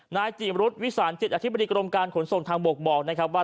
นายจีบรุษวิสานจิตอธิบดีกรมการขนส่งทางบกบอกนะครับว่า